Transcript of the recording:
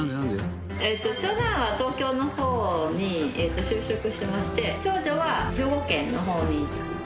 長男は東京の方に就職しまして長女は兵庫県の方に。